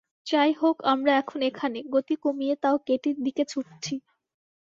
যাই হোক, আমরা এখন এখানে, গতি কমিয়ে তাও কেটির দিকে ছুটছি।